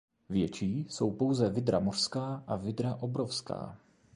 Větší jsou pouze vydra mořská a vydra obrovská.